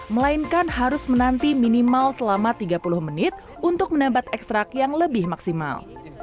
melainkan harus menanti minimal selama tiga puluh menit untuk menembak ekstrak yang lebih maksimal